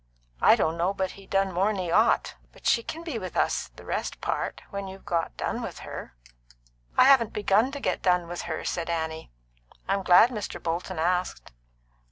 "I don' know but he done more'n he'd ought. "But she can be with us the rest part, when you've got done with her." "I haven't begun to get done with her," said Annie. "I'm glad Mr. Bolton asked."